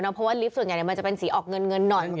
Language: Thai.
เพราะว่าลิฟต์ส่วนใหญ่มันจะเป็นสีออกเงินหน่อย